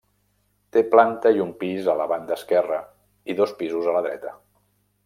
Té planta i un pis a la banda esquerra i dos pisos a la dreta.